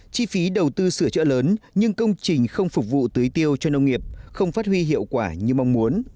chi phí đầu tư sửa chữa lớn nhưng công trình không phục vụ tưới tiêu cho nông nghiệp không phát huy hiệu quả như mong muốn